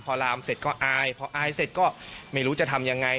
พอลามเสร็จก็อายพออายเสร็จก็ไม่รู้จะทำยังไง